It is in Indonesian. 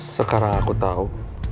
sekarang aku tahu